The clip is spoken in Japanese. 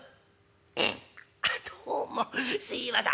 「プッあっどうもすいません。